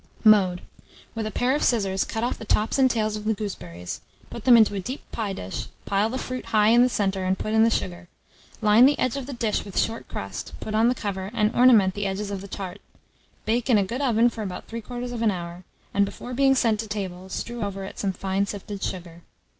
Mode. With a pair of scissors cut off the tops and tails of the gooseberries; put them into a deep pie dish, pile the fruit high in the centre, and put in the sugar; line the edge of the dish with short crust, put on the cover, and ornament the edges of the tart; bake in a good oven for about 3/4 hour, and before being sent to table, strew over it some fine sifted sugar.